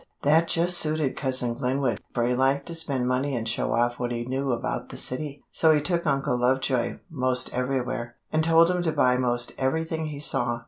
That just suited Cousin Glenwood, for he liked to spend money and show off what he knew about the city; so he took Uncle Lovejoy 'most everywhere, and told him to buy 'most everything he saw.